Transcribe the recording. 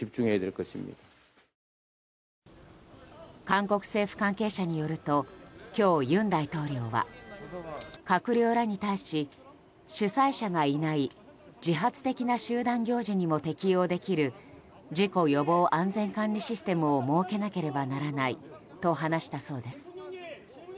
韓国政府関係者によると今日、尹大統領は閣僚らに対し主催者がいない自発的な集団行事にも適用できる事故予防安全管理システムを設けなければならないと話したそうです。